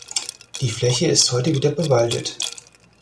Die Fläche ist heute wieder bewaldet.